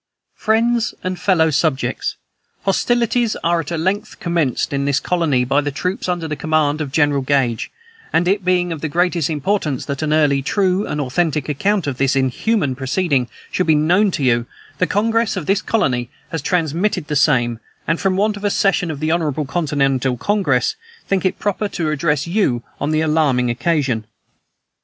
_ "FRIENDS AND FELLOW SUBJECTS: Hostilities are at length commenced in this colony by the troops under the command of General Gage; and it being of the greatest importance that an early, true, and authentic account of this inhuman proceeding, should be known to you, the Congress of this colony have transmitted the same, and, from want of a session of the Hon. Continental Congress, think it proper to address you on the alarming occasion.